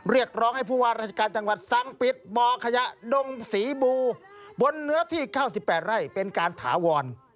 เรียกร้องให้ผู้ว่าราชการจังหวัดสั่งปิดบ่อขยะดงสีบูบนเนื้อที่๙๘ไร่เป็นการถาวร